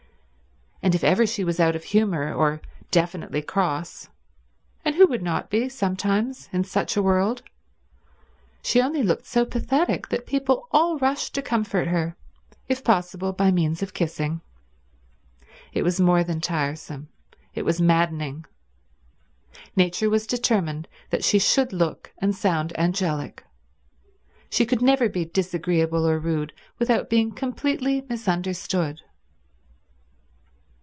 And if ever she was out of humour or definitely cross— and who would not be sometimes in such a world?— she only looked so pathetic that people all rushed to comfort her, if possible by means of kissing. It was more than tiresome, it was maddening. Nature was determined that she should look and sound angelic. She could never be disagreeable or rude without being completely misunderstood.